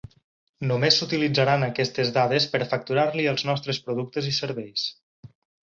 Només s'utilitzaran aquestes dades per facturar-li els nostres productes i serveis.